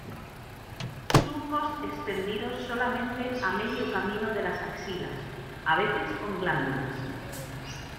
Surcos extendidos solamente a medio camino de las axilas, a veces con glándulas.